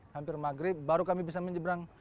hampir maghrib baru kami bisa menyeberang